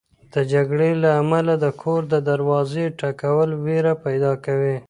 د جګړې له امله د کور د دروازې ټکول وېره پیدا کوي.